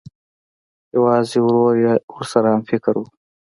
یوازې ورور یې ورسره همفکره و